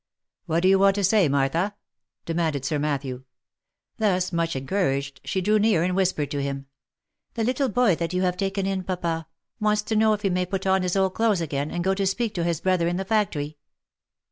" What do you want to say, Martha ?" demanded Sir Matthew. Thus much encouraged, she drew near and whispered to him, " The little boy that you have taken in, papa, wants to know if he may put on his old clothes again, and go to speak to his brother in the factory?"